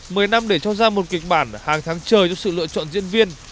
mười năm để cho ra một kịch bản hàng tháng trời cho sự lựa chọn diễn viên